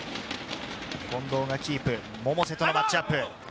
近藤がキープ、百瀬とのマッチアップ。